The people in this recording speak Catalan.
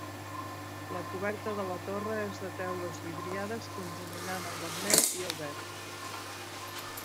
La coberta de la torre és de teules vidriades conjuminant el vermell i el verd.